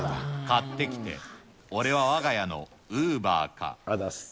買ってきて俺は我が家のウーバーか。